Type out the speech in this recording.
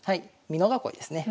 美濃囲いですね。